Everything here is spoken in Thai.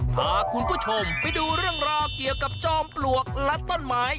พาคุณผู้ชมไปดูเรื่องราวเกี่ยวกับจอมปลวกและต้นไม้